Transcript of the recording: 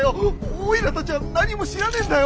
おいらたちは何も知らねえんだよ！